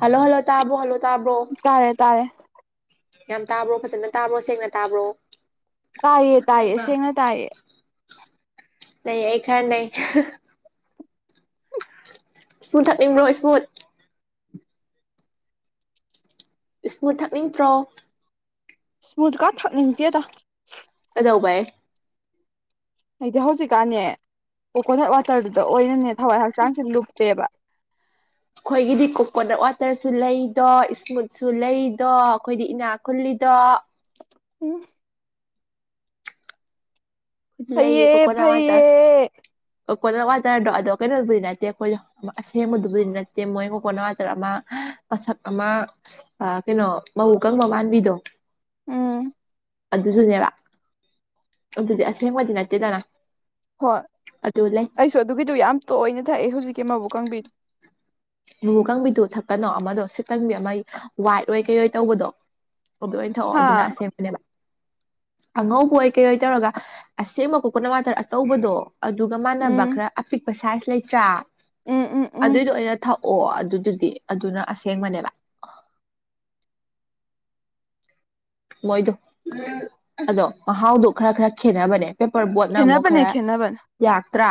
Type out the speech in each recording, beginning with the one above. hello hello ꯇꯥꯕ꯭ꯔꯣ hello ꯇꯥꯕ꯭ꯔꯣ ꯇꯥꯔꯦ ꯇꯥꯔꯦ ꯌꯥꯝ ꯇꯥꯕ꯭ꯔꯣ ꯐꯖꯅ ꯇꯥꯕ꯭ꯔꯣ ꯁꯦꯡꯅ ꯇꯥꯕ꯭ꯔꯣ ꯇꯥꯏꯌꯦ ꯇꯥꯏꯌꯦ ꯁꯦꯡꯅ ꯇꯥꯏꯌꯦ ꯅꯩ ꯑꯩ ꯈꯔ ꯅꯩ ꯁ꯭ꯃꯨꯠ ꯊꯛꯅꯤꯡꯕ꯭ꯔꯣ ꯁ꯭ꯃꯨꯠ ꯏꯁꯃꯨꯠ ꯊꯛꯅꯤꯡꯇ꯭ꯔꯣ ꯏꯁꯃꯨꯠꯀ ꯊꯛꯅꯤꯡꯇꯦꯗꯥ ꯀꯩꯗꯧꯕꯩ ꯑꯩꯗꯤ ꯍꯧꯖꯤꯛꯀꯥꯟꯅꯦ ꯀꯣꯀꯣꯅꯠ ꯋꯥꯇꯔꯗꯨꯗ ꯑꯣꯏꯅꯅꯦ ꯊꯋꯥꯏ ꯍꯛꯆꯥꯡꯁꯦ ꯂꯨꯞꯄꯦꯕ ꯑꯩꯈꯣꯏꯒꯤꯗꯤ ꯀꯣꯀꯣꯅꯠ ꯋꯥꯠ ꯇꯔꯁꯨ ꯂꯩꯗꯣ ꯏꯁꯃꯨꯠꯁꯨ ꯂꯩꯗꯣ ꯑꯈꯣꯏꯗꯤ ꯏꯅꯥꯛ ꯈꯨꯜꯂꯤꯗꯣ ꯎꯝ ꯗꯤ ꯂꯩꯌꯦ ꯐꯩꯌꯦ ꯀꯣꯀꯣꯅꯠ ꯋꯥꯇꯔ ꯐꯩꯌꯦ ꯀꯣꯀꯣꯅꯠ ꯋꯥꯇꯔꯗꯣ ꯑꯗꯣ ꯀꯩꯅꯣꯕꯨꯗꯤ ꯅꯠꯇꯦ ꯑꯩꯈꯣꯏꯗꯣ ꯑꯁꯦꯡꯕꯗꯨꯕꯨꯗꯤ ꯅꯠꯇꯦ ꯃꯣꯏ ꯀꯣꯀꯣꯅꯠ ꯋꯥꯇꯔ ꯑꯃ ꯃꯁꯛ ꯑꯃ ꯑꯥ ꯀꯩꯅꯣ ꯃꯧꯕꯨꯛ ꯀꯪꯕ ꯃꯥꯟꯕꯤꯗꯣ ꯎꯝ ꯑꯗꯨꯖꯨꯅꯦꯕꯥ ꯑꯗꯨꯗꯤ ꯑꯁꯦꯡꯕꯗꯤ ꯅꯠꯇꯦꯗꯅꯥ ꯍꯣꯏ ꯑꯩꯁꯨ ꯑꯗꯨꯒꯤꯗꯨ ꯌꯥꯝ ꯇꯣꯏꯅ ꯊꯛꯑꯦ ꯍꯧꯖꯤꯛꯀꯤ ꯃꯕꯨꯛ ꯀꯪꯕꯤꯗꯨ ꯃꯕꯨꯛ ꯀꯪꯕꯤꯗꯨ ꯊꯛꯀꯅꯣ ꯑꯃꯗꯣ ꯁꯤꯠꯀꯟꯕꯤ ꯑꯃ ꯋꯥꯏꯠ ꯑꯣꯏ ꯀꯩ ꯑꯣꯏ ꯇꯧꯕꯗꯣ ꯑꯗꯨ ꯑꯣꯏꯅ ꯊꯛꯑꯣ ꯍꯥ ꯑꯗꯨꯅ ꯑꯁꯦꯡꯕꯅꯦꯕ ꯑꯉꯧꯕ ꯑꯣꯏ ꯀꯩ ꯑꯣꯏ ꯇꯧꯔꯒ ꯑꯁꯦꯡꯕ ꯀꯣꯀꯣꯅꯠ ꯋꯥꯇꯔ ꯑꯆꯧꯕꯗꯣ ꯑꯗꯨꯒ ꯃꯥꯟꯅꯕ ꯎꯝ ꯈ꯭ꯔ ꯑꯄꯤꯛꯄ ꯁꯥꯏꯖ ꯂꯩꯇ꯭ꯔꯥ ꯎꯝ ꯎꯝ ꯎꯝ ꯑꯗꯨꯏꯗꯣ ꯑꯣꯏꯅ ꯊꯛ ꯑꯣ ꯑꯗꯨꯗꯨꯗꯤ ꯑꯗꯨꯅ ꯑꯁꯦꯡꯕꯅꯦꯕꯥ ꯃꯣꯏꯗꯣ ꯑꯗꯣ ꯃꯍꯥꯎꯗꯣ ꯈ꯭ꯔ ꯈ꯭ꯔ ꯈꯦꯠꯅꯕꯅꯦ ꯄꯦꯄꯔ ꯕꯣꯠꯅ ꯑꯃꯨꯛ ꯈꯦꯠꯅꯕꯅꯦ ꯈ꯭ꯔ ꯈꯦꯠꯅꯕꯅꯦ ꯌꯥꯛꯇ꯭ꯔꯥ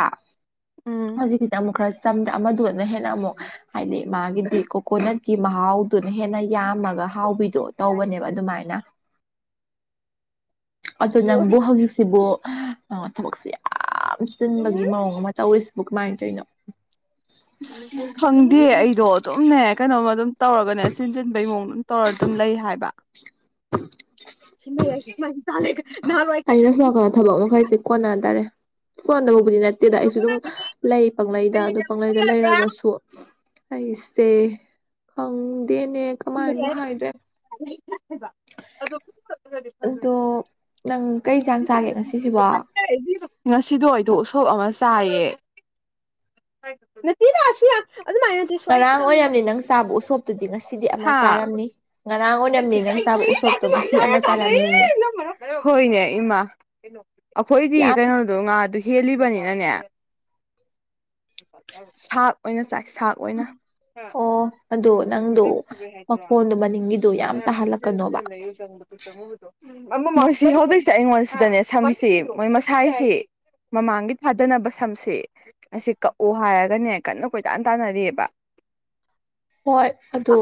ꯎꯝ ꯍꯧꯖꯤꯛꯀꯤꯗꯤ ꯑꯃꯨꯛ ꯈ꯭ꯔ ꯆꯝꯗ꯭ꯔꯥ ꯑꯃꯗꯨꯅ ꯍꯦꯟꯅ ꯑꯃꯨꯛ ꯍꯥꯏꯗꯤ ꯃꯥꯒꯤꯗꯤ ꯀꯣꯀꯣꯅꯠꯀꯤ ꯃꯍꯥꯎ ꯗꯨꯨꯅ ꯍꯦꯟꯅ ꯌꯥꯝꯃꯒ ꯍꯥꯎꯕꯤꯗꯣ ꯇꯧꯕꯅꯦꯕ ꯑꯗꯨꯃꯥꯏꯅ ꯑꯗ ꯅꯪꯕꯨ ꯍꯧꯖꯤꯛꯁꯤꯕꯨ ꯑꯥ ꯊꯕꯛꯁꯦ ꯌꯥꯝ ꯆꯤꯟꯕꯒꯤ ꯃꯑꯣꯡ ꯑꯃ ꯇꯧꯔꯤꯁꯦ ꯕꯨ ꯀꯃꯥꯏ ꯇꯣꯏꯅꯣ ꯑꯁ ꯈꯪꯗꯦ ꯑꯩꯗꯣ ꯑꯗꯨꯝꯅꯦ ꯀꯩꯅꯣꯝꯃ ꯑꯗꯨꯝ ꯇꯧꯔꯒꯅꯦ ꯁꯤꯟ ꯆꯟꯕꯩ ꯃꯑꯣꯡꯗ ꯇꯧꯔ ꯑꯗꯨꯝ ꯂꯩ ꯍꯥꯏꯕ ꯁꯤꯃꯩꯌꯥꯁꯦ ꯁꯤꯃꯥꯏ ꯆꯥ ꯂꯩꯀ ꯅꯍꯥꯜꯋꯥꯏ ꯑꯩꯅ ꯁꯣꯝ ꯀꯥꯟꯗꯒꯤ ꯅꯥꯀꯟꯗ ꯊꯕꯛ ꯃꯈꯩꯁꯦ ꯀꯣꯟꯅꯗꯔꯦ ꯀꯣꯟꯗꯕꯕꯨꯗꯤ ꯅꯠ ꯇꯦꯗ ꯑꯩꯁꯨ ꯑꯗꯨꯝ ꯂꯩ ꯄꯪꯂꯩꯗ ꯑꯗꯨ ꯄꯪꯂꯩꯗ ꯂꯩꯔꯒꯁꯨ ꯑꯩꯁꯦ ꯈꯪꯗꯦꯅꯦ ꯀꯃꯥꯏꯕꯨ ꯍꯥꯏꯗ꯭ꯔꯦ [unintelligible] ꯑꯗꯣ ꯑꯗꯣ ꯅꯪ ꯀꯩ ꯖꯥꯡ ꯆꯥꯒꯦ ꯉꯁꯤꯁꯤꯕꯣ ꯑꯩꯗꯤꯀꯣ ꯉꯁꯤꯗꯣ ꯑꯩꯗꯣ ꯎꯁꯣꯞ ꯑꯃ ꯆꯥꯏꯌꯦ ꯑꯥꯏ ꯅꯠꯇꯦꯗꯥ ꯑꯁꯤ ꯌꯥ ꯑꯗꯨꯃꯥꯏ ꯅꯠꯇꯦ ꯁ꯭ꯋꯥꯏ ꯉꯔꯥꯡ ꯈꯤꯇꯪ ꯑꯣꯏꯔꯝꯅꯤ ꯅꯪ ꯆꯥꯕ ꯎꯁꯣꯞꯇꯨꯗꯤ ꯉꯁꯤꯗꯤ [unintelligible] ꯑꯃ ꯍꯥ ꯆꯥꯔꯝꯅꯤ ꯉꯔꯥꯡ [unintelligible] ꯑꯣꯏꯔꯝꯅꯤ ꯅꯪ ꯆꯥꯕ ꯎꯁꯣꯞꯇꯣ ꯉꯁꯤ ꯑꯃ ꯆꯥꯔꯝꯅꯤꯌꯦ ꯉꯝꯃꯔꯣꯏ ꯍꯣꯏꯅꯦ ꯏꯃꯥ ꯌꯥꯝ ꯑꯩꯈꯣꯏꯗꯤ ꯀꯩꯅꯣꯗꯣ ꯉꯥꯗꯣ ꯍꯦꯜꯂꯤꯕꯅꯤꯅꯅꯦ ꯁꯥꯛ ꯑꯣꯏꯅ ꯆꯥꯏ ꯁꯥꯛ ꯑꯣꯏꯅ ꯑꯥ ꯑꯣ ꯎꯝ ꯑꯗꯣ ꯅꯪꯗꯣ ꯀꯩꯕꯨ ꯀꯕꯦ ꯍꯥꯏꯗ꯭ꯔꯣ ꯃꯈꯣꯟꯗꯣ ꯃꯅꯤꯡꯒꯤꯗꯣ ꯌꯥꯝ ꯑꯅꯥꯈꯣꯏ ꯁꯤꯖ ꯇꯥꯍꯜꯂꯛꯀꯅꯣꯕ ꯁꯤꯖ ꯂꯩꯌꯨ ꯆꯪꯕꯗ ꯑꯗꯨ ꯆꯪꯉꯨꯕꯗꯣ ꯑꯃꯃꯁꯤ ꯍꯧꯖꯤꯛꯁꯦ ꯑꯩꯉꯣꯟꯁꯤꯗꯅꯦ ꯁꯝꯒꯤꯁꯦ ꯃꯣꯏ ꯃꯁꯥꯏꯁꯦ ꯃꯃꯥꯡꯒꯤ ꯐꯥꯗꯅꯕ ꯁꯝꯁꯦ ꯑꯁꯤ ꯀꯛꯑꯣ ꯍꯥꯏꯔꯒꯅꯦ ꯀꯟꯅ ꯀꯣꯏꯇꯥꯟ ꯇꯥꯟꯅꯔꯤꯕ ꯍꯣꯏ ꯑꯗꯨ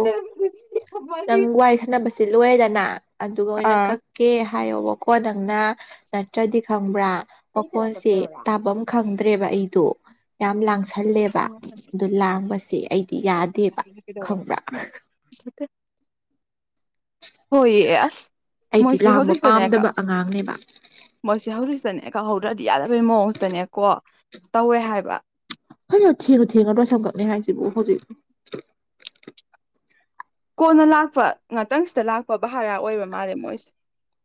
ꯅꯪ ꯋꯥꯔꯤ ꯁꯥꯟꯅꯕꯁꯦ ꯂꯣꯏꯔꯦꯗꯅ ꯑꯗꯨꯒ ꯑꯣꯏꯅ ꯑꯥ ꯀꯛ ꯀꯦ ꯍꯥꯏꯌꯣꯕ ꯀꯣ ꯅꯪꯅ ꯅꯠꯇ꯭ꯔꯗꯤ ꯈꯪꯕ꯭ꯔ ꯃꯈꯣꯟꯁꯦ ꯇꯥꯕꯝ ꯈꯪꯗ꯭ꯔꯦꯕ ꯑꯩꯗꯣ ꯌꯥꯝ ꯂꯥꯡ ꯁꯜꯂꯦꯕ ꯑꯗꯨ ꯂꯥꯡꯕꯁꯦ ꯑꯩꯗꯤ ꯌꯥꯗꯦꯕ ꯈꯪꯕ꯭ꯔꯥ [unintelligible] ꯍꯣꯏꯌꯦ ꯑꯁ ꯑꯩꯗꯤ ꯃꯣꯏꯁꯦ ꯂꯥꯡꯕ ꯍꯧꯖꯤꯛ ꯄꯥꯝꯗꯕ [unintelligible] ꯑꯉꯥꯡꯅꯦꯕ ꯃꯣꯏꯁꯦ ꯍꯧꯖꯤꯛꯇꯅꯦ ꯀꯛꯍꯧꯗ꯭ꯔꯗꯤ ꯌꯥꯗꯕꯩ ꯃꯋꫭꯡꯇꯅꯦꯀꯣ ꯇꯧꯋꯦ ꯍꯥꯏꯕ [unintelligible] ꯁꯝꯛꯛꯅꯦ ꯍꯥꯏꯖꯤꯕꫭ ꯍꯧꯖꯤꯛ ꯀꯣꯟꯅ ꯂꯥꯛꯄ ꯉꯥꯛꯇꯪ ꯁꯤꯗ ꯂꯥꯛꯄ ꯕꯔꯥ ꯑꯣꯏꯕ ꯃꯥꯜꯂꯦ ꯃꯣꯏꯁꯦ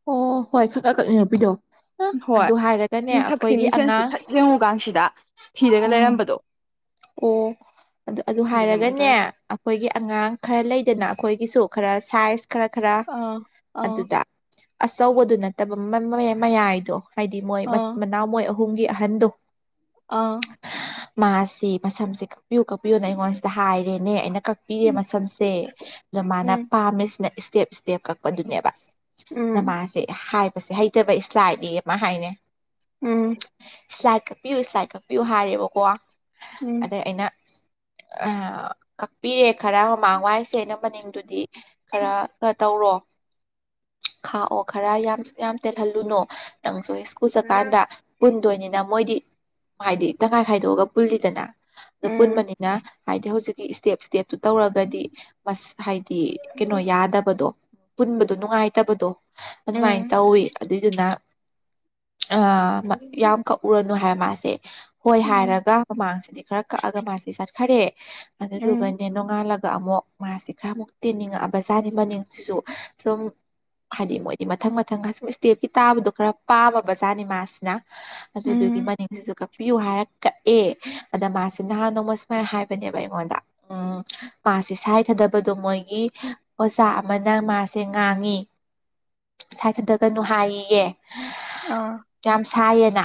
ꯑꯣ ꯍꯣꯏ ꯈꯔ ꯈꯔ [unintelligible] ꯍꯣꯏ ꯆꯤꯡꯊꯛꯁꯤ ꯃꯤꯡꯁꯟꯁꯤ ꯑꯉꯥꯡ ꯁꯛ ꯌꯦꯡꯉꯨꯀꯥꯟꯁꯤꯗ ꯊꯤꯔꯒ ꯎꯝ ꯂꯩꯔꯝꯕꯗꯣ ꯑꯣ ꯑꯗꯨ ꯑꯗꯨ ꯑꯗꯨꯅꯦ ꯃꯣꯏ ꯍꯥꯏꯔꯒꯅꯦ ꯇꯧꯔꯤꯁꯦ ꯑꯈꯣꯏꯒꯤ ꯑꯉꯥꯡ ꯈꯔ ꯂꯩꯗꯅ ꯑꯩꯈꯣꯏꯒꯤꯁꯨ ꯈꯔ ꯁꯥꯏꯁ ꯈꯔ ꯈꯔ ꯑꯥ ꯑꯥ ꯑꯗꯨꯗ ꯑꯆꯧꯕꯗꯨ ꯅꯠꯇꯕ ꯃꯌꯥꯏꯗꯣ ꯍꯥꯏꯗꯤ ꯃꯣꯏ ꯑꯥ ꯃꯆꯤꯟ ꯃꯅꯥꯎ ꯃꯣꯏ ꯑꯍꯨꯝꯒꯤ ꯑꯍꯟꯗꯣ ꯑ ꯃꯥꯁꯤ ꯃꯁꯝꯁꯤ ꯀꯛꯄꯤꯌꯨ ꯀꯛꯄꯤꯌꯨꯅ ꯑꯩꯉꯣꯟꯁꯤꯗ ꯍꯥꯏꯔꯦꯅꯦ ꯑꯩꯅ ꯀꯛ ꯄꯤꯔꯦ ꯎꯝ ꯃꯁꯝꯁꯦ ꯑꯗꯨ ꯃꯥꯅ ꯎꯝ ꯄꯥꯝꯃꯤꯁꯤꯅ ꯏꯁꯇꯦꯞ ꯏꯁꯇꯦꯞ ꯀꯛꯄꯗꯨꯅꯦꯕ [unintelligible] ꯎꯝ ꯃꯥꯁꯦ ꯍꯥꯏꯕꯁꯦ ꯍꯩꯇꯕ ꯏꯁꯂꯥꯏꯠꯅꯦꯌꯦ ꯃꯥ ꯍꯥꯏꯅꯦ ꯎꯝ ꯏꯁꯂꯥꯏꯠ ꯀꯛꯄꯤꯌꯨ ꯏꯁꯂꯥꯏꯠ ꯀꯛꯄꯤꯌꯨ ꯍꯥꯏꯔꯦꯕꯀꯣ ꯎꯝ ꯎꯝ ꯑꯗꯩ ꯑꯩꯅ ꯑ ꯀꯛꯄꯤꯔꯦ ꯈꯔ ꯃꯃꯥꯡ ꯋꯥꯏꯁꯦ ꯑꯩꯅ ꯃꯅꯤꯡꯗꯨꯗꯤ ꯈꯔ [unintelligible] ꯇꯧꯔꯣ ꯈꯥꯛꯑꯣ ꯈꯔ ꯌꯥꯝ ꯌꯥꯝ ꯇꯦꯜꯍꯜꯂꯨꯅꯣ ꯅꯪꯁꯨ [unintelligible] ꯆꯠꯀꯥꯟꯗ ꯄꯨꯟꯗꯣꯏꯅꯤꯅ ꯃꯣꯏꯗꯤ ꯍꯥꯏꯗꯤ ꯇꯪꯈꯥꯏ ꯈꯥꯏꯗꯣꯛꯑꯒ ꯄꯨꯜꯂꯤꯗꯅ ꯑꯗꯨ ꯄꯨꯟꯕꯅꯤꯅ ꯍꯥꯏꯗꯤ ꯍꯧꯖꯤꯛꯀꯤ ꯏꯁꯇꯦꯞ ꯏꯁ ꯇꯦꯞꯇꯨ ꯇꯧꯔꯒꯗꯤ ꯃꯁ ꯍꯥꯏꯗꯤ ꯀꯩꯅꯣ ꯌꯥꯗꯕꯗꯣ ꯄꯨꯟꯕꯗꯣ ꯅꯨꯡꯉꯥꯏꯇꯕꯗꯣ ꯑꯗꯨꯃꯥꯏꯅ ꯇꯧꯋꯤ ꯑꯗꯨꯏꯗꯨꯅ ꯑ ꯌꯥꯝ ꯀꯛꯎꯔꯅꯨ ꯍꯥꯏꯔ ꯃꯥꯁꯦ ꯍꯣꯏ ꯎꯝ ꯍꯥꯏꯔꯒ ꯃꯃꯥꯡꯁꯤꯗꯤ ꯈꯔ ꯀꯛꯑꯒ ꯃꯥꯁꯦ ꯆꯠꯈꯔꯦ ꯎꯝ ꯑꯗꯨꯗꯨꯒꯅꯦ ꯅꯣꯡꯉꯥꯜꯂ ꯒ ꯑꯃꯨꯛ ꯃꯥꯁꯦ ꯈꯔ ꯑꯃꯨꯛ ꯇꯦꯟꯅꯤꯡꯉꯛ ꯑꯕꯖꯥꯠꯅꯤ ꯃꯅꯤꯡꯁꯤꯁꯨ ꯁꯨꯝ ꯍꯥꯏꯗꯤ ꯃꯣꯏꯗꯤ ꯃꯊꯪ ꯃꯊꯪ ꯑꯁꯨꯝ ꯏꯁꯇꯦꯞꯀꯤ ꯇꯥꯕꯗꯣ ꯈꯔ ꯄꯥꯝꯃꯕ ꯖꯥꯠꯅꯤ ꯃꯥꯁꯤꯅ ꯑꯗꯨꯗꯨꯒꯤ ꯎꯝ ꯃꯅꯤꯡꯁꯤꯖꯨ ꯀꯛꯄꯤꯌꯨ ꯍꯥꯏꯔ ꯀꯛꯑꯦ ꯑꯗ ꯃꯥꯁꯦ ꯅꯍꯥꯟ ꯅꯣꯡꯃ ꯁꯨꯃꯥꯏ ꯍꯥꯏꯕꯅꯦꯕ ꯑꯩꯉꯣꯟꯗ ꯎꯝ ꯃꯥꯁꯦ ꯁꯥꯏ ꯊꯥꯗꯕꯗꯣ ꯃꯣꯏꯒꯤ ꯑꯣꯖꯥ ꯑꯃꯅ ꯃꯥꯁꯦ ꯉꯥꯡꯉꯤ ꯁꯥꯏ ꯊꯥꯗꯒꯅꯨ ꯍꯥꯏꯌꯦꯌꯦ ꯑ ꯌꯥꯝ ꯁꯥꯏꯌꯦꯅ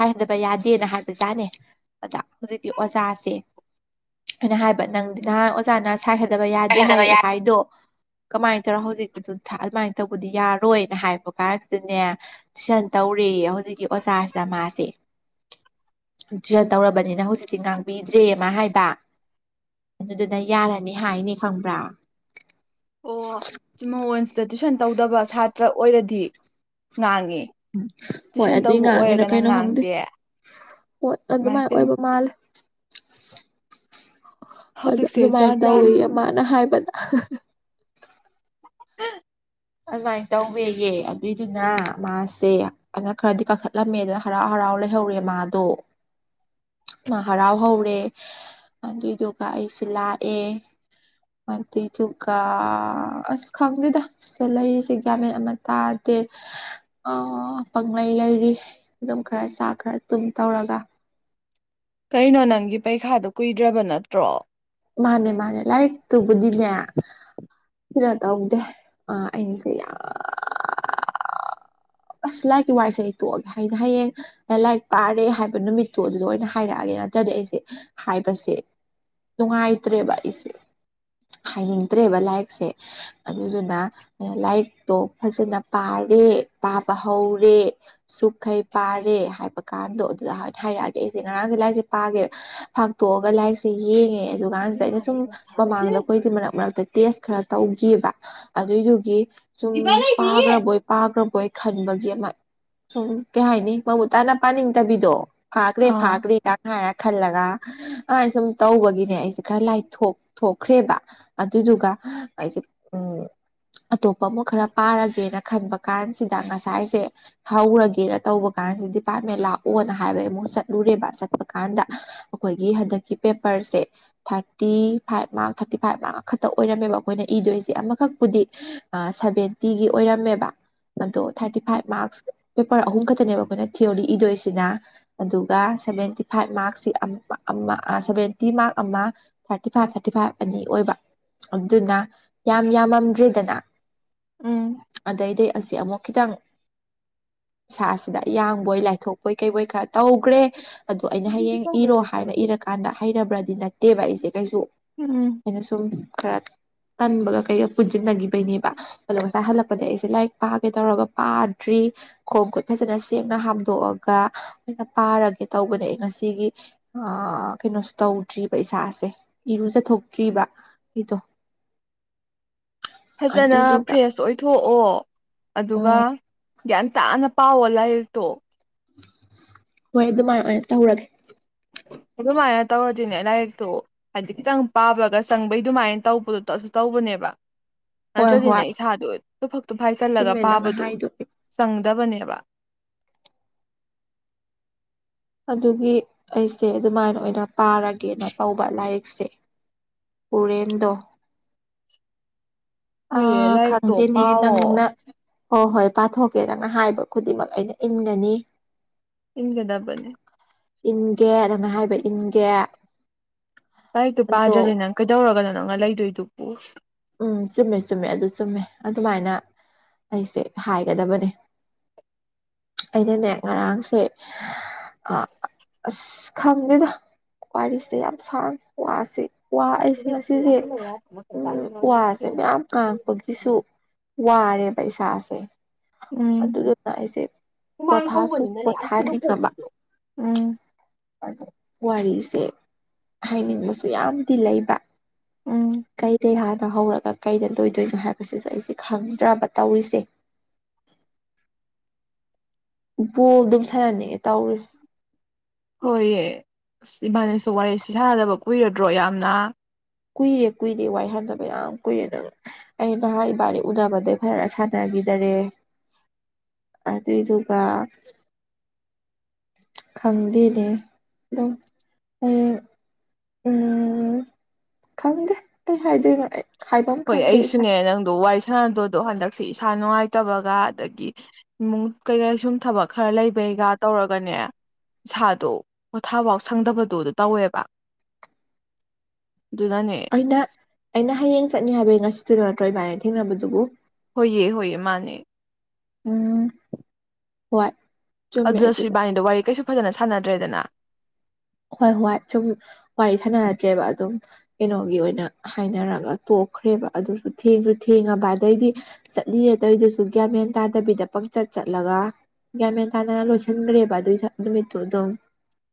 ꯍꯥꯏꯗꯕ ꯌꯥꯗꯦꯅ ꯍꯥꯏꯕ ꯖꯥꯠꯅꯤ ꯑꯗ ꯍꯨꯖꯤꯛꯇꯤ ꯑꯣꯖꯥꯁꯦ ꯑꯩꯅ ꯍꯥꯏꯕ ꯅꯪꯗꯤ ꯅꯍꯥꯟ ꯑꯣꯖꯥꯅ ꯁꯥꯥꯏ ꯊꯥꯗꯕ ꯌꯥꯗꯦ ꯍꯥꯏꯔꯛꯑꯦ ꯍꯥꯏꯗꯣ ꯀꯃꯥꯏꯟ ꯇꯧꯔ ꯍꯧꯖꯤꯛꯇ ꯑꯗꯨꯃꯥꯏꯟ ꯇꯧꯕꯗꯤ ꯌꯥꯔꯣꯏꯅ ꯍꯥꯏꯕ ꯀꯥꯟꯁꯤꯗꯅꯦ ꯇꯨꯏꯁꯟ ꯇꯧꯔꯦꯌꯦ ꯍꯧꯖꯤꯛꯀꯤ ꯑꯣꯖꯥꯁꯤꯗ ꯃꯥꯁꯦ [unintelligible] ꯇꯧꯔꯕꯅꯤꯅ ꯍꯧꯖꯤꯛꯇꯤ ꯉꯥꯡꯕꯤꯗ꯭ꯔꯦꯌꯦ ꯃꯥ ꯍꯥꯏꯕ ꯑꯗꯨꯗꯨꯅ ꯌꯥꯔꯅꯤ ꯍꯥꯏꯅꯤ ꯈꯪꯕ꯭ꯔꯥ ꯑꯣ ꯃꯥꯉꯣꯟꯁꯤꯗ ꯇꯨꯏꯁꯟ ꯇꯧꯗꯕ ꯁꯥꯇ꯭ꯔ ꯑꯣꯏꯔꯗꯤ ꯉꯥꯡꯉꯤ ꯎꯝ ꯍꯣꯏ ꯇꯨꯏꯁꯟ ꯑꯗꯨꯏ ꯇꯧꯕ ꯉꯥꯡꯉꯤꯔ ꯑꯣꯏꯔꯒꯅ ꯀꯩꯅꯣ ꯈꯪꯗꯦ ꯉꯥꯡꯗꯦ ꯍꯣꯏ ꯑꯗꯨꯃꯥꯏꯅ ꯏꯃꯥꯏꯄꯦꯝꯃ ꯑꯣꯏꯕ ꯃꯥꯜꯂꯦ ꯑꯗꯨ ꯍꯧꯖꯤꯛꯁꯦ ꯑꯗꯨꯃꯥꯏꯅ ꯖꯥꯠ ꯖꯥꯠꯅꯤ ꯇꯧꯋꯤꯍꯦ ꯃꯥꯅ ꯍꯥꯏꯕꯗ ꯎꯝ [inaudible] ꯑꯗꯨꯃꯥꯏꯅ ꯇꯧꯋꯦꯌꯦ ꯑꯗꯨꯏꯗꯨꯅ ꯃꯥꯁꯦ ꯑꯗꯨꯅ ꯈꯔꯗꯤ ꯀꯥꯈꯠꯂꯝꯃꯦ ꯑꯗꯨꯅ ꯍꯔꯥꯎ ꯍꯔꯥꯎ ꯂꯩꯍꯧꯔꯦ ꯃꯥꯗꯣ ꯍꯔꯥꯎ ꯍꯧꯔꯦ ꯑꯗꯨꯏꯗꯨꯒ ꯑꯩꯁꯨ ꯂꯥꯛꯑꯦ ꯑꯗꯨꯢꯗꯨꯒ ꯑꯁ ꯈꯪꯗꯦꯗ ꯁꯤꯗ ꯂꯩꯔꯤꯁꯦ ꯒ꯭ꯌꯥꯟ ꯃꯦꯟ ꯑꯝꯇ ꯇꯥꯗꯦ ꯑ ꯄꯪꯪꯂꯩ ꯂꯩꯔꯤ ꯑꯗꯨꯝ ꯈꯔ ꯆꯥꯛ ꯈꯔ ꯇꯨꯝ ꯇꯧꯔꯒ ꯀꯩꯅꯣ ꯅꯪꯒꯤ ꯄꯩꯈꯥꯗꯣ ꯀꯨꯏꯗ꯭ꯔꯕ ꯅꯠꯇ꯭ꯔꯣ ꯃꯥꯅꯦ ꯃꯥꯅꯦ ꯂꯥꯏꯔꯤꯛ ꯇꯨꯕꯨꯗꯤꯅ ꯀꯩꯅꯣ ꯇꯧꯗꯦ ꯑꯥ ꯑꯩꯁꯦ ꯌꯥꯝ ꯑꯁ ꯂꯥꯏꯔꯤꯛꯀꯤ ꯋꯥꯔꯤꯁꯦ ꯑꯩ ꯇꯣꯛꯑꯒꯦ ꯑꯩꯅ ꯍꯌꯦꯡ ꯂꯥꯏꯔꯤꯛ ꯄꯥꯔꯦ ꯍꯥꯏꯕ ꯅꯨꯃꯤꯠꯇꯨ ꯑꯗꯨꯗ ꯑꯣꯏꯅ ꯍꯥꯏꯔꯛꯑꯒꯦ ꯅꯠꯇ꯭ꯔꯗꯤ ꯑꯩꯁꯦ ꯍꯥꯏꯕꯁꯦ ꯅꯨꯡꯉꯥꯏꯇ꯭ꯔꯦꯕ ꯑꯩꯁꯦ ꯍꯥꯏꯅꯤꯡꯗ꯭ꯔꯦꯕ ꯂꯥꯏꯔꯤꯛꯁꯦ ꯑꯗꯨꯗꯨꯅ ꯂꯥꯏꯔꯤꯛꯇꯣ ꯐꯖꯅ ꯄꯥꯔꯦ ꯄꯥꯕ ꯍꯧꯔꯦ ꯁꯨꯛꯈꯩ ꯄꯥꯔꯦ ꯍꯥꯏꯕꯀꯥꯟꯗꯣ ꯑꯗꯨꯗ ꯍꯥꯏꯅ ꯍꯥꯏꯔꯛꯑꯒꯦ ꯑꯩꯁꯦ ꯉꯔꯥꯡꯁꯦ ꯂꯥꯏꯔꯤꯁꯦ ꯄꯥꯒꯦ ꯐꯥꯛꯇꯣꯛꯑꯒ ꯂꯥꯏꯔꯤꯛꯁꯦ ꯌꯦꯡꯉꯦ ꯑꯗꯨ ꯀꯥꯟꯁꯤꯗ ꯑꯩꯅ ꯁꯨꯝ ꯃꯃꯥꯡꯗ ꯑꯩꯈꯣꯏꯒꯤ ꯃꯔꯛ ꯃꯔꯛꯇ ꯇꯦꯁ ꯈꯔ ꯇꯧꯈꯤꯕ ꯑꯗꯨꯏꯗꯨꯒꯤ ꯁꯨꯝ ꯄꯥꯈ꯭ꯔꯕꯣꯏ ꯄꯥꯈ꯭ꯔꯕꯣꯏ ꯈꯟꯕꯒꯤ ꯑꯃ ꯁꯨꯝ ꯀꯩ ꯍꯥꯏꯅꯤ ꯃꯃꯨꯠ ꯇꯥꯅ ꯄꯥꯅꯤꯡꯗꯕꯤꯗꯣ ꯐꯥꯒ꯭ꯔꯦ ꯑꯥ ꯐꯥꯒ꯭ꯔꯦ ꯒꯥꯢꯅ ꯍꯥꯏꯔ ꯈꯜꯂꯒ ꯑ ꯁꯨꯝ ꯇꯧꯕꯒꯤꯅꯦ ꯑꯩꯁꯦ ꯈꯔ ꯂꯥꯏꯊꯣꯛ ꯊꯣꯛꯈ꯭ꯔꯦꯕ ꯑꯗꯨꯗꯨꯒ ꯑꯩꯁꯦ ꯎꯝ ꯑꯇꯣꯞꯄ ꯑꯃꯨꯛ ꯈꯔ ꯄꯥꯔꯒꯦꯅ ꯈꯟꯕ ꯀꯥꯟꯁꯤꯗ ꯉꯁꯥꯏꯁꯦ ꯍꯧꯔꯒꯦꯅ ꯇꯧꯕ ꯀꯥꯟꯁꯤꯗ ꯗꯤꯄꯥꯔꯠꯃꯦꯟ ꯂꯥꯛꯑꯣꯅ ꯍꯥꯏꯕ ꯑꯃꯨꯛ ꯆꯠꯂꯨꯔꯦꯕ ꯆꯠꯄ ꯀꯥꯟꯗ ꯑꯩꯈꯣꯏꯒꯤ ꯍꯟꯗꯛꯀꯤ ꯄꯦꯄꯔꯁꯦ thirty five mark thirty five mark ꯑꯃꯈꯛꯇ ꯑꯣꯏꯔꯝꯃꯦꯕ ꯑꯩꯈꯣꯏꯅ ꯏꯗꯣꯏꯁꯦ ꯑꯃꯈꯛꯄꯨꯗꯤ ꯁꯚꯦꯟꯇꯤꯒꯤ ꯑꯣꯏꯔꯝꯃꯦꯕ ꯑꯗꯣ ꯊꯥꯔꯇꯤ ꯐꯥꯏꯚ ꯃꯥꯔꯛꯁ ꯄꯦꯄꯔ ꯑꯍꯨꯝ ꯈꯛꯇꯅꯦꯕ ꯑꯩꯈꯣꯏꯅ ꯊꯤꯑꯣꯔꯤ ꯏꯗꯣꯏꯁꯤꯅ ꯑꯗꯨꯒ ꯁꯚꯦꯟꯇꯤ ꯐꯥꯏꯚ ꯃꯥꯔꯛꯁꯤ ꯑꯃꯝ ꯑꯝ ꯁꯚꯦꯟꯇꯤ ꯃꯥꯔꯛ ꯑꯃ ꯊꯥꯔꯇꯤ ꯐꯥꯏꯚ ꯊꯥꯔꯇꯤ ꯐꯥꯏꯚ ꯑꯅꯤ ꯑꯣꯏꯕ ꯑꯗꯨꯅ ꯌꯥꯝ ꯌꯥꯝꯃꯝꯗ꯭ꯔꯤꯗꯅ ꯎꯝ ꯑꯗꯩꯗꯤ ꯑꯁꯤ ꯑꯃꯨꯛ ꯈꯤꯇꯪ ꯢꯁꯥꯁꯤꯗ ꯌꯥꯡꯕꯣꯏ ꯂꯥꯏꯊꯣꯛꯄꯣꯏ ꯀꯩꯕꯣꯏ ꯈꯔ ꯇꯧꯈ꯭ꯔꯦ ꯑꯗꯣ ꯑꯩꯅ ꯍꯌꯦꯡ ꯏꯔꯣ ꯍꯥꯏꯅ ꯏꯔꯀꯥꯟꯗ ꯍꯩꯔꯕ꯭ꯔꯗꯤ ꯅꯠꯇꯦꯕ ꯑꯩꯁꯦ ꯀꯩꯁꯨ ꯎꯝ ꯑꯩꯅ ꯁꯨꯝ ꯈꯔ ꯇꯟꯕꯒ ꯀꯩꯒ ꯄꯨꯟꯁꯤꯟꯅꯈꯤꯕꯩꯅꯦꯕ ꯑꯗꯣ ꯉꯁꯥꯏ ꯍꯜꯂꯛꯄꯗ ꯑꯩꯁꯦ ꯂꯥꯏꯔꯤꯛ ꯄꯥꯒꯦ ꯇꯧꯔꯒ ꯄꯥꯗ꯭ꯔꯤ ꯈꯣꯡ ꯈꯨꯨꯠ ꯐꯖꯅ ꯁꯦꯡꯅ ꯍꯥꯝꯗꯣꯛꯑꯒ ꯑꯣꯏꯅ ꯄꯥꯔꯒꯦ ꯇꯧꯕꯅꯤ ꯑꯩ ꯉꯁꯤꯒꯤ ꯑꯥ ꯀꯩꯅꯣꯁꯨ ꯇꯧꯗ꯭ꯔꯤꯕ ꯏꯁꯥꯁꯦ ꯏꯔꯨꯖꯊꯣꯛꯇ꯭ꯔꯤꯕ ꯑꯩꯗꯣ [inaudible] ꯐꯖꯅ ꯑꯗꯨꯗꯨꯒ ꯐ꯭ꯔꯦꯁ ꯑꯣꯏꯊꯣꯛꯑꯣ ꯑꯗꯨꯒ ꯎꯝ ꯒ꯭ꯌꯥꯟ ꯇꯥꯅ ꯄꯥꯎꯑꯣ ꯂꯥꯏꯔꯤꯛ ꯇꯣ ꯍꯣꯏ ꯑꯗꯨꯃꯥꯏꯅ ꯑꯣꯢ ꯇꯧꯔꯒꯦ ꯑꯗꯨꯃꯥꯏꯅ ꯇꯧꯔꯗꯤꯅꯦ ꯂꯥꯏꯔꯤꯛꯇꯨ ꯍꯥꯏꯗꯤ ꯈꯤꯇꯪ ꯄꯥꯕꯒ ꯆꯪꯕꯩ ꯑꯗꯨꯃꯥꯏꯅ ꯇꯧꯕꯗꯣ ꯑꯗꯨ ꯇꯧꯕꯅꯦꯕ ꯍꯣꯏ ꯅꯠꯇ꯭ꯔꯗꯤꯅꯦ ꯍꯣꯏ ꯏꯁꯥꯗꯣ ꯇꯨꯐꯛ ꯇꯨꯐꯥꯏ ꯆꯜꯂꯒ ꯆꯨꯝꯃꯦ ꯅꯪꯅ ꯄꯥꯕꯗꯨ ꯍꯥꯏꯗꯣ ꯆꯪꯗꯕꯅꯦꯕ ꯑꯗꯨꯒꯤ ꯑꯩꯁꯦ ꯑꯗꯨꯃꯥꯏꯅ ꯑꯣꯏꯅ ꯄꯥꯔꯒꯦꯅ ꯇꯧꯕ ꯂꯥꯏꯔꯤꯛꯁꯦ ꯎꯔꯦꯟꯗꫭ ꯑ ꯍꯣꯏꯌꯦ ꯂꯥꯏꯔꯤꯛꯇꯣ ꯈꯪꯗꯦꯅꯦ ꯄꯥꯎꯋꯣ ꯅꯪꯅ ꯍꯣ ꯍꯣꯏ ꯄꯥꯊꯣꯛꯀꯦ ꯅꯪꯅ ꯍꯥꯏꯕ ꯈꯨꯗꯤꯡꯃꯛ ꯑꯩꯅ ꯏꯟꯒꯅꯤ ꯏꯟꯒꯗꯕꯅꯤ ꯏꯟꯒꯦ ꯅꯪꯅ ꯍꯥꯏꯕ ꯏꯟꯒꯦ ꯂꯥꯏꯔꯤꯛꯇꯨ ꯑꯗꯣ ꯄꯥꯗ꯭ꯔꯗꯤ ꯅꯪ ꯀꯩꯗꯧꯔꯒꯅ ꯅꯪꯅ ꯂꯩꯗꯣꯏꯗꯨꯕꯨ ꯎꯝ ꯆꯨꯝꯃꯦ ꯆꯨꯝꯃꯦ ꯑꯗꯨ ꯆꯨꯝꯃꯦ ꯑꯗꯨꯃꯥꯏꯅ ꯑꯩꯁꯦ ꯍꯥꯏꯒꯗꯕꯅꯦ ꯑꯩꯅꯅꯦ ꯉꯔꯥꯡꯁꯦ ꯑꯥ ꯑꯁ ꯈꯪꯗꯦꯗ ꯋꯥꯔꯤꯁꯦ ꯌꯥꯝ ꯁꯥꯡ ꯋꯥꯁꯦ ꯋꯥ ꯑꯩꯁꯦ ꯉꯁꯤꯁꯦ ꯎꯝ ꯋꯥꯁꯦ ꯃꯌꯥꯝ ꯉꯥꯡꯕꯒꯤꯁꯨ ꯋꯥꯔꯦꯕ ꯏꯁꯥꯁꯦ ꯎꯝ ꯑꯗꯨꯗꯨꯅ ꯑꯩꯁꯦ ꯄꯣꯊꯥꯁꯨ ꯄꯣꯊꯥꯅꯤꯡꯉꯕ ꯎꯝ ꯑꯗꯣ ꯋꯥꯔꯤꯁꯦ ꯍꯥꯏꯅꯤꯡꯕꯁꯨ ꯌꯥꯝꯗꯤ ꯂꯩꯕ ꯎꯝ ꯀꯩ [unintelligible] [unintelligible] ꯍꯧꯔꯒ ꯀꯩꯗ ꯂꯣꯏꯗꯣꯏꯅꯣ ꯍꯥꯏꯕꯁꯤꯁꯨ ꯑꯩꯁꯦ ꯈꯪꯗ꯭ꯔꯕ ꯇꯧꯔꯤꯁꯦ ꯕꯣꯜ ꯗꯨꯝ ꯁꯥꯟꯅꯟꯅꯤꯡꯉꯦ ꯇꯧꯔꯤꯁꯦ ꯍꯣꯏꯌꯦ ꯑꯁ ꯏꯕꯥꯅꯤꯁꯨ ꯋꯥꯔꯤꯁꯤ ꯁꯥꯟꯅꯗꯕ ꯀꯨꯏꯔꯗ꯭ꯔꯣ ꯌꯥꯝꯅ ꯀꯨꯏꯔꯦ ꯀꯨꯏꯔꯦ ꯋꯥꯏ ꯁꯥꯟꯗꯕ ꯌꯥꯝ ꯀꯨꯏꯔꯦ ꯅꯪ ꯑꯩ ꯉꯍꯥꯟ ꯏꯕꯥꯅꯤ ꯎꯅꯕꯗꯩ ꯐꯖꯅ ꯁꯥꯟꯅꯒꯤꯗꯔꯦ ꯑꯗꯨꯏꯗꯨꯒ ꯈꯪꯗꯦꯅꯦ ꯑꯗꯨꯝ [unintelligible] ꯎꯝ ꯈꯪꯗꯦ ꯀꯩ ꯍꯥꯏꯗꯣꯏꯅꯣ ꯑꯩ ꯍꯥꯏꯕꯝ ꯍꯣꯏ ꯈꯪꯗ꯭ꯔꯦ ꯏꯁꯥ ꯑꯩꯁꯨꯅꯦ ꯅꯪ ꯗꯣ ꯋꯥꯔꯤ ꯁꯥꯟꯅꯗꯧꯗꯣ ꯍꯟꯗꯛꯁꯦ ꯏꯁꯥ ꯅꯨꯡꯉꯥꯏꯇꯕꯒ ꯑꯗꯒꯤ ꯏꯃꯨꯡ ꯀꯩꯀꯩ ꯁꯨꯝ ꯊꯕꯛ ꯈꯔ ꯂꯩꯕꯩꯒ ꯇꯧꯔꯒꯅꯦ ꯏꯁꯥꯗꯣ ꯄꯣꯊꯥꯐꯥꯎ ꯁꯪꯗꯕꯗꯣ ꯗꯣ ꯇꯧꯋꯦꯕ ꯑꯗꯨꯅꯅꯦ ꯑꯩꯅ ꯑꯩꯅ ꯍꯌꯦꯡ ꯆꯠꯅꯤ ꯍꯥꯏꯕꯒꯤ ꯉꯁꯤꯗꯨꯗ ꯅꯠꯇ꯭ꯔꫭ ꯏꯕꯥꯅꯤ ꯊꯦꯡꯅꯕꯗꯨꯕꯨ ꯍꯣꯏꯌꯦ ꯍꯣꯏꯌꯦ ꯃꯥꯅꯦ ꯎꯝ ꯍꯣꯏ ꯆꯨꯝꯃꯦ ꯑꯗꯨꯗꯁꯨ ꯑꯗꯨꯗ ꯏꯕꯥꯅꯤꯗꫭ ꯋꯥꯔꯤ ꯀꯩꯁꯨ ꯐꯖꯅ ꯁꯥꯟꯅꯗ꯭ꯔꯦꯗꯅ ꯍꯣꯏ ꯍꯣꯏ ꯁꯨꯝ ꯋꯥꯔꯤ ꯁꯥꯟꯅꯔꯛꯇ꯭ꯔꯦꯕ ꯑꯗꯨꯝ ꯀꯩꯅꯣꯒꯤ ꯑꯣꯏꯅ ꯍꯥꯏꯅꯔꯒ ꯇꯣꯛꯈ꯭ꯔꯦꯕ ꯑꯗꯨꯁꯨ ꯊꯦꯡꯁꯨ ꯊꯦꯡꯉꯕ ꯑꯗꯩꯗꯤ ꯆꯠꯂꯤ ꯑ ꯑꯗꯨꯏꯗꯨꯁꯨ ꯒ꯭ꯌꯥꯟ ꯃꯦꯟ ꯇꯥꯗꯕꯤꯗ ꯄꯪꯆꯠ ꯆꯠꯂꯒ ꯌꯥꯟ ꯃꯦꯟ ꯇꯥꯅ ꯂꯣꯏꯁꯟꯒ꯭ꯔꯦꯕ ꯑꯗꯨꯏ ꯅꯨꯃꯤꯠꯇꯨ ꯑꯗꯨꯝ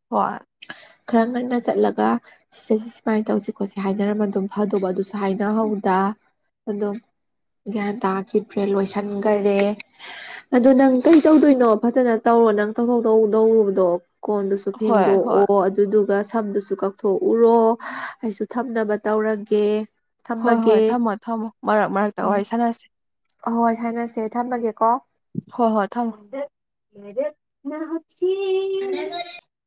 ꯍꯣꯏ ꯈꯔ ꯉꯟꯅ ꯆꯠꯂꯒ ꯁꯤꯁꯦ ꯁꯤ ꯁꯨꯃꯥꯏꯟ ꯇꯧꯁꯤ ꯈꯣꯠꯁꯤ ꯍꯥꯏꯅꯔꯝꯕ ꯑꯗꯨꯝ ꯐꯗꯧꯕ ꯑꯗꯨꯁꯨ ꯍꯥꯏꯅꯍꯧꯗ ꯑꯗꯨꯝ ꯌꯥꯟ ꯇꯥꯈꯤꯗ꯭ꯔꯦ ꯂꯣꯏꯁꯟꯒꯔꯦ ꯑꯗꯨ ꯅꯪ ꯀꯩ ꯇꯧꯗꯣꯏꯅꯣ ꯐꯖꯅ ꯇꯧꯔꯣ ꯅꯪ [unintelligible] ꯀꯣꯟꯗꯨꯁꯨ ꯍꯣꯏ ꯍꯣꯏ ꯐꯦꯡꯗꯣꯛꯑꯣ ꯑꯣ ꯑꯗꯨꯗꯨꯒ ꯁꯝꯗꯨꯁꯨ ꯀꯛꯊꯣꯛꯎꯔꯣ ꯑꯩꯁꯨ ꯊꯝꯅꯕ ꯇꯧꯔꯒꯦ ꯍꯣꯏ ꯊꯝꯃꯒꯦ ꯍꯣꯏ ꯊꯝꯃꯣ ꯊꯝꯃꯣ ꯃꯔꯛ ꯃꯔꯛꯇ ꯎꯝ ꯋꯥꯔꯤ ꯁꯥꯟꯅꯁꯦ ꯍꯣꯏ ꯊꯅꯁꯦ ꯊꯝꯃꯒꯦꯀꯣ ꯍꯣꯏ ꯍꯣꯏ ꯊꯝꯃꯣ ꯑ [unintelligible]